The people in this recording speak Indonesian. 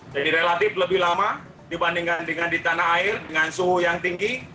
jadi relatif lebih lama dibandingkan dengan di tanah air dengan suhu yang tinggi